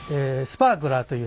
スパークラー。